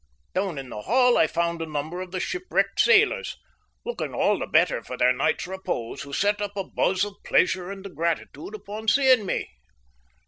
Down in the hall I found a number of the shipwrecked sailors, looking all the better for their night's repose, who set up a buzz of pleasure and gratitude upon seeing me.